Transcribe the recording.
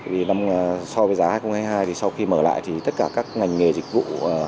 vì so với giá hai nghìn hai mươi hai thì sau khi mở lại thì tất cả các ngành nghề dịch vụ